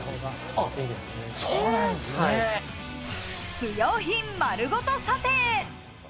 不用品まるごと査定。